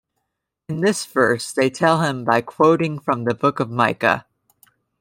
In this verse they tell him by quoting from the Book of Micah.